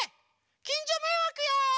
きんじょめいわくよ！